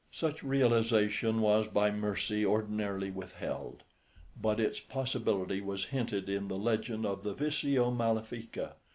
Such realisation was by mercy ordinarily withheld, but its possibility was hinted in the legend of the Visio malefica.